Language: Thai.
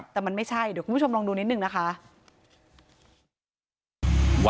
แต่มันไม่ใช่เดี๋ยวคุณผู้ชมลองดูนิดนึงนะคะ